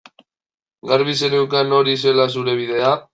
Garbi zeneukan hori zela zure bidea?